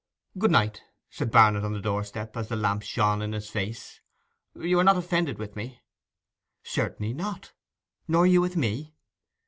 'Good night,' said Barnet, on the doorstep, as the lamp shone in his face. 'You are not offended with me?' 'Certainly not. Nor you with me?